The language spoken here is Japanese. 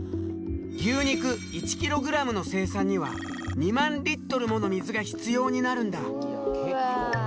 牛肉１キログラムの生産には２万リットルもの水が必要になるんだ。